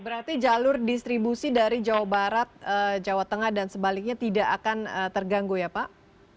berarti jalur distribusi dari jawa barat jawa tengah dan sebaliknya tidak akan terganggu ya pak